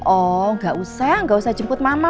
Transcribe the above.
oh gak usah nggak usah jemput mama